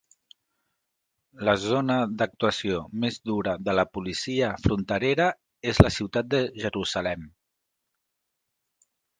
La zona d'actuació més dura de la policia fronterera es la ciutat de Jerusalem.